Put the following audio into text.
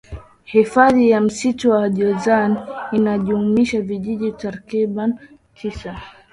Hifadhi ya msitu wa jozani inajumuisha vijiji takribani tisa